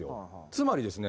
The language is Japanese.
つまりですね